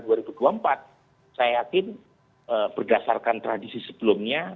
saya yakin berdasarkan tradisi sebelumnya